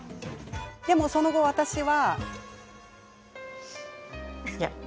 でもその後、私は。